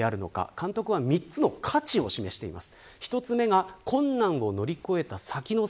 監督は３つの価値を示しています。